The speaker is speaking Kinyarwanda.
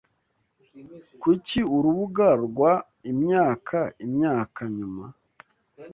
KURI URUBUGA RWA IMYAKA IMYAKA NYUMA